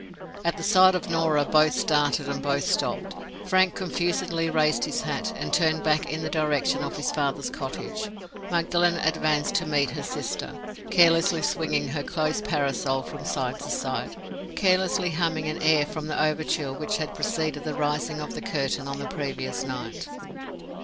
At the sight of Norah both started, and both stopped. Frank confusedly raised his hat, and turned back in the direction of his father's cottage. Magdalen advanced to meet her sister, carelessly swinging her closed parasol from side to side, carelessly humming an air from the overture which had preceded the rising of the curtain on the previous night.